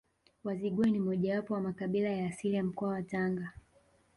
Wazigua ni mojawapo wa makabila ya asili ya mkoa wa Tanga